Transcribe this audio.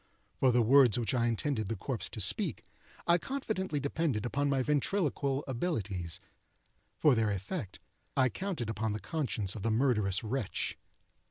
For the words which I intended the corpse to speak, I confidently depended upon my ventriloquial abilities; for their effect, I counted upon the conscience of the murderous wretch.